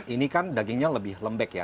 ini kan dagingnya lebih lembek ya